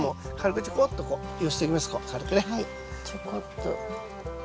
ちょこっと。